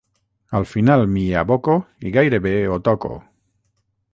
Al final m'hi aboco i gairebé ho toco.